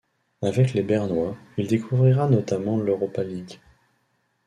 Avec les Bernois, il découvrira notamment l'Europa League.